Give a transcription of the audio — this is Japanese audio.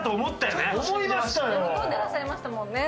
喜んでらっしゃいましたもんね。